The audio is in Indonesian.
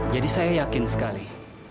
jadi saya yakin sekali